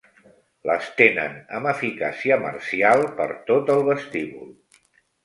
L'estenen amb eficàcia marcial per tot el vestíbul.